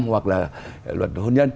hoặc là luật hôn nhân